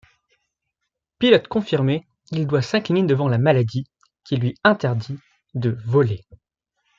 Pilote confirmé, il doit s'incliner devant la maladie, qui lui interdit de voler.